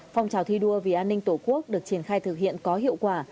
phong trào thi đua vì an ninh tổ quốc được triển khai thực hiện có hiệu quả